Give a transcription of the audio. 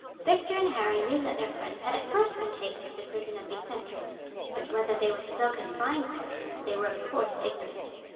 Victor and Harry knew that their friends had at first been taken to the prison of Bicetre, but whether they were still confined there they were of course ignorant.